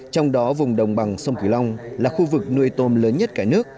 trong đó vùng đồng bằng sông cửu long là khu vực nuôi tôm lớn nhất cả nước